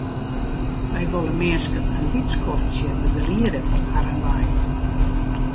Wy wolle minsken in lyts skoftsje begeliede op harren wei.